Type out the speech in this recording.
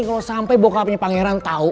kalo sampe bokapnya pangeran tau